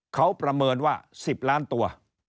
เขาประเมินว่า๑๐ล้านตัว